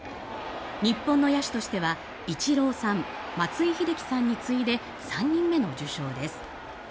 日本の野手としてはイチローさん松井秀喜さんに次いで３人目の受賞です。